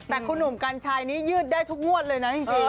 แต่คุณหนุ่มกัญชัยนี้ยืดได้ทุกงวดเลยนะจริง